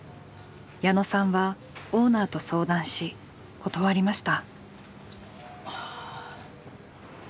矢野さんはオーナーと相談し断りました。